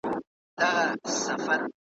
مځكه چاك سوه پكښي ورك د ده پوستين سو `